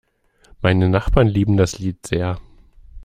Meine Nachbarn lieben das Lied sehr.